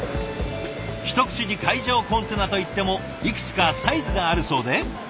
一口に海上コンテナと言ってもいくつかサイズがあるそうで。